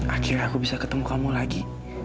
akhirnya aku bisa ketemu kamu lagi